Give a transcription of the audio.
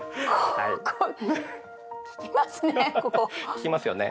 効きますよね。